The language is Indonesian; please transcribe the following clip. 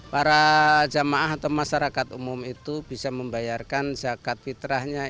para jamaah atau masyarakat umum itu bisa membayarkan zakat fitrahnya